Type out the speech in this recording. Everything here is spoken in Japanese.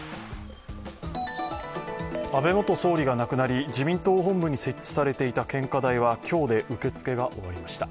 安倍元総理が亡くなり、自民党本部に設置されていた献花台は今日で受け付けが終わりました。